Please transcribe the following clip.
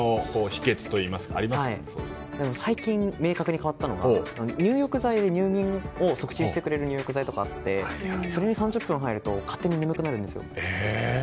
最近、明確に変わったのが入眠を促進してくれる入浴剤とかがあってそれに３０分、入ると勝手に眠くなるんです。